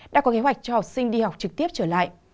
đã có kế hoạch cho học sinh đi học trực tiếp trở lại